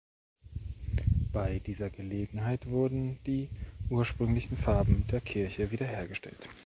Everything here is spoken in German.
Bei dieser Gelegenheit wurden die ursprünglichen Farben der Kirche wieder hergestellt.